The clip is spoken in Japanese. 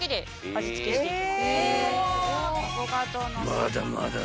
［まだまだ！